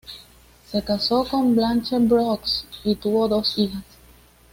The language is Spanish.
Se casó con Blanche Brooks y tuvo dos hijas.